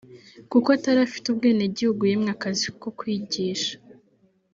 Kuko atari afite ubwene gihugu yimwe akazi ko kwigisha